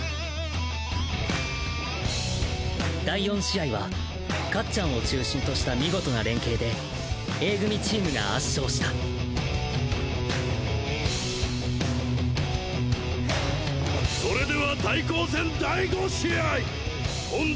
第４試合はかっちゃんを中心とした見事な連携でＡ組チームが圧勝したスタートだ！